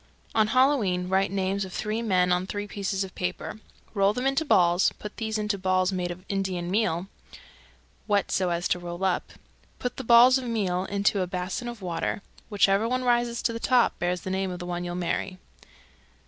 On Halloween write names of three men on three pieces of paper, roll them into balls, put these into balls made of Indian meal (wet so as to roll up), put the balls of meal into a basin of water: whichever one rises to the top bears the name of the one you'll marry.